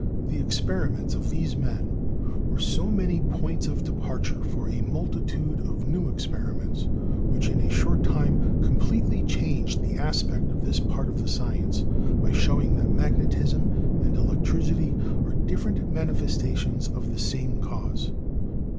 The experi ments of these men were so many points of departure for a multitude of new experiments which in a short time completely changed the aspect of this part of the science by showing that magnetism and electricity are different manifestations of the same cause.